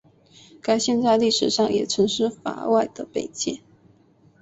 该线在历史上也曾是法外的北界。